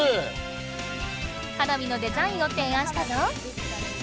花火のデザインをていあんしたぞ。